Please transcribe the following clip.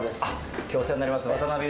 きょう、お世話になります。